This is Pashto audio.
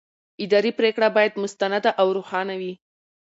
اداري پرېکړه باید مستنده او روښانه وي.